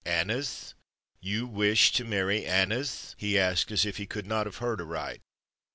"Aneth! You wish to marry Aneth?" he asked, as if he could not have heard aright.